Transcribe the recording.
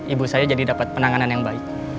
ibu saya jadi dapat penanganan yang baik